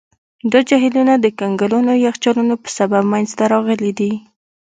دا جهیلونه د کنګلونو یخچالونو په سبب منځته راغلي دي.